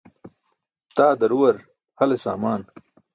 Taa daruwar hale saamaan.